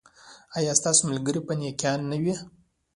ایا ستاسو ملګري به نیکان نه وي؟